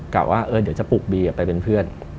กล่าวว่าเดี๋ยวจะปลุกบีไปเป็นเพื่อน